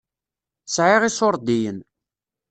Sɛiɣ iṣuṛdiyen.